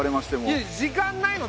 いや時間ないの！